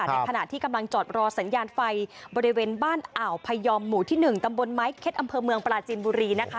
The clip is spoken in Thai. ในขณะที่กำลังจอดรอสัญญาณไฟบริเวณบ้านอ่าวพยอมหมู่ที่๑ตำบลไม้เค็ดอำเภอเมืองปลาจีนบุรีนะคะ